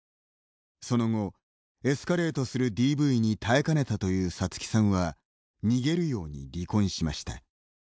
その後、エスカレートするＤＶに耐えかねたというサツキさんは逃げるように離婚しました。